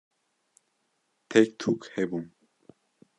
tek tuk hebûn